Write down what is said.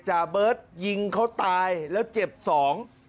เบิร์ตยิงเขาตายแล้วเจ็บสอง